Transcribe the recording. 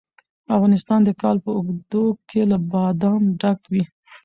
افغانستان د کال په اوږدو کې له بادام ډک وي.